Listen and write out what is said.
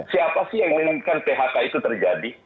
siapa sih yang menginginkan phk itu terjadi